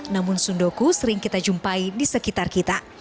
namun sundoku sering kita jumpai di sekitar kita